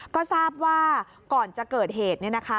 ก็ทราบว่าก่อนจะเกิดเหตุ